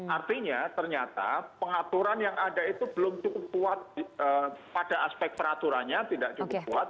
artinya ternyata pengaturan yang ada itu belum cukup kuat pada aspek peraturannya tidak cukup kuat